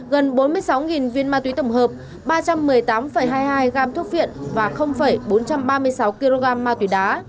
gần bốn mươi sáu viên ma túy tổng hợp ba trăm một mươi tám hai mươi hai gam thuốc viện và bốn trăm ba mươi sáu kg ma túy đá